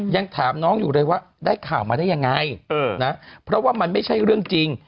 ยังถามน้องอยู่เลยว่าได้ข่าวมาได้ยังไงนะเพราะว่ามันไม่ใช่เรื่องจริง